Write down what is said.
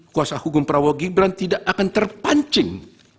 kuasa hukum prabowo gibran tidak akan terpancing